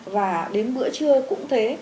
và đến bữa trưa cũng thế